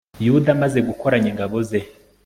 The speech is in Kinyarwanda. yuda amaze gukoranya ingabo ze